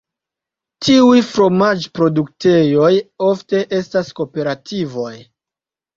Tiuj fromaĝ-produktejoj, ofte estas kooperativoj.